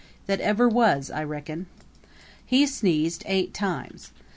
that ever was, I reckon. He sneezed eight times.